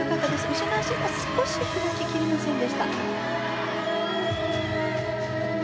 後ろの脚が少し開ききれませんでした。